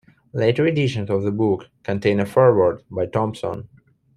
Later editions of the book contain a foreword by Thompson.